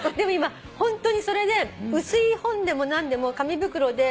ホントにそれで薄い本でも何でも紙袋で。